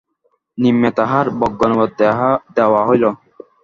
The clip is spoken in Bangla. নিম্নে তাহার বঙ্গানুবাদ দেওয়া হইল।